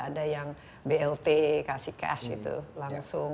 ada yang blt kasih cash itu langsung